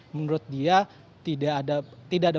menurut dia tidak ada